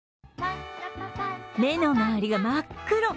目の周りが真っ黒。